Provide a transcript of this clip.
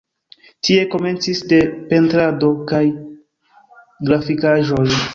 Tie komencis de pentrado kaj grafikaĵoj.